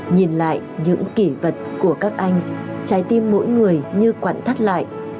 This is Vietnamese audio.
nhìn lại những kỷ vật của các anh trái tim mỗi người như quặn thắt lại